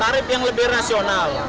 tarif yang lebih rasional